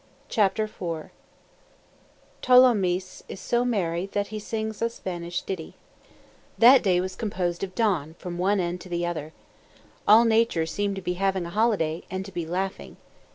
CHAPTER IV—THOLOMYÈS IS SO MERRY THAT HE SINGS A SPANISH DITTY That day was composed of dawn, from one end to the other. All nature seemed to be having a holiday, and to be laughing.